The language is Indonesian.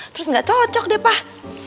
terus nggak cocok deh pak